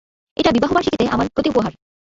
এটা বিবাহবার্ষিকীতে আমার প্রতি উপহার।